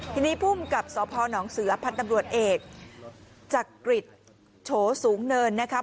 ทีนี้ภูมิกับสพนเสือพันธ์ตำรวจเอกจักริจโฉสูงเนินนะครับ